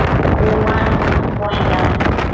Umanuc capuenda